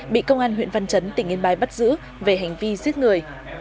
bị công an huyện văn chấn tỉnh yên bái bắt giữ về hành vi giết người